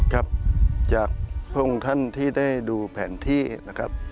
ครับจากพระองค์ท่านที่ได้ดูแผนที่นะครับ